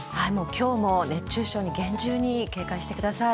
今日も熱中症に厳重に警戒してください。